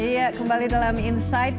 iya kembali dalam insight